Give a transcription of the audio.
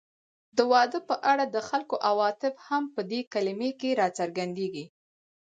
د واده په اړه د خلکو عواطف هم په دې کلمه کې راڅرګندېږي